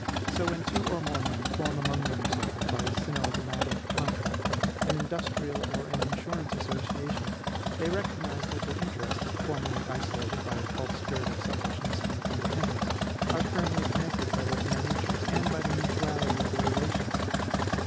So, when two or more men form among themselves, by synallagmatic contract, an industrial or an insurance association, they recognize that their interests, formerly isolated by a false spirit of selfishness and independence, are firmly connected by their inner natures, and by the mutuality of their relations.